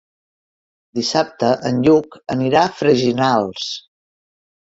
Dissabte en Lluc anirà a Freginals.